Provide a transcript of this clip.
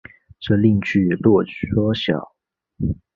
这令聚落缩小。